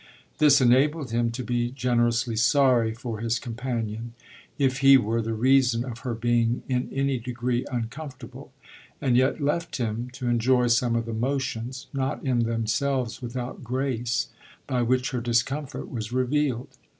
This enabled him to be generously sorry for his companion if he were the reason of her being in any degree uncomfortable, and yet left him to enjoy some of the motions, not in themselves without grace, by which her discomfort was revealed.